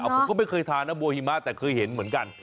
ผมก็ไม่เคยทานนะบัวหิมะแต่เคยเห็นเหมือนกัน